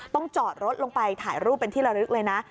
จอดรถลงไปถ่ายรูปเป็นที่ระลึกเลยนะ